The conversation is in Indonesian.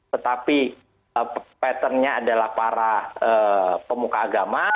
tetapi pattern nya adalah para pemuka agama